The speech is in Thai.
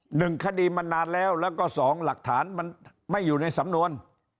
หนึ่งคดีมันนานแล้วแล้วก็สองหลักฐานมันไม่อยู่ในสำนวน